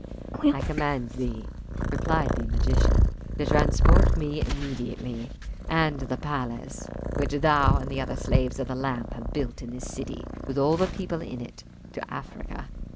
"I command thee," replied the magician, "to transport me immediately, and the palace which thou and the other slaves of the lamp have built in this city, with all the people in it, to Africa."